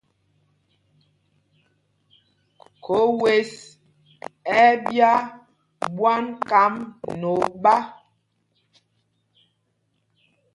Khǒ wes ɛ́ ɛ́ ɓyá ɓwán kám nɛ oɓá.